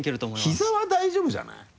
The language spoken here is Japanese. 膝は大丈夫じゃない？